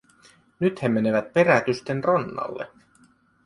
Nyt he menevät perätysten rannalle.